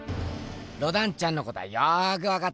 ロダンちゃんのことはよくわかった。